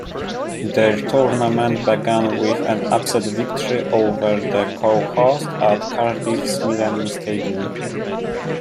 Their tournament began with an upset victory over the co-hosts at Cardiff's Millennium Stadium.